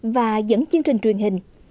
và dẫn chương trình truyền hình